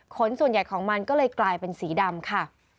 ขนส่วนใหญ่ของมันก็เลยกลายเป็นสีดำค่ะ